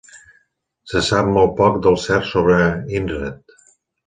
Se sap molt poc del cert sobre Eanred.